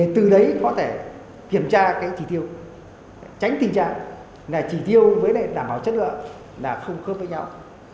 tránh tình trạng là chỉ tiêu với đảm bảo chất lượng là không khớp với nhau